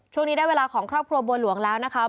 ช่วงนี้ได้เวลาของครอบครัวบัวหลวงแล้วนะครับ